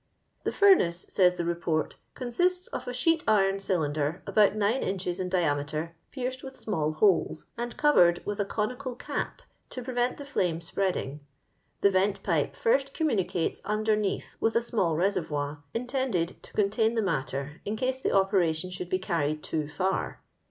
" The furnace," says the Beport, «* consists of a sheet iron cylinder, about nine inches in diameter, pierced with small holes, and covered M ith a conical cap to prevent t^e flame spread ing. The vent pipe first communicates under neath with a small reservoir, intended to contain the matter in case the operation should be carried too far.